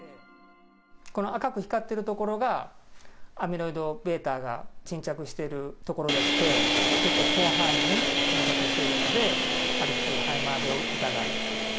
この赤く光ってる所がアミロイドβが沈着している所でして、結構広範囲に沈着しているので、アルツハイマー病疑い。